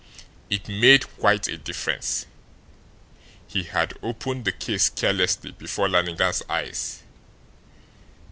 It made quite a difference!" He had opened the case carelessly before Lannigan's eyes.